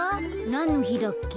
なんのひだっけ？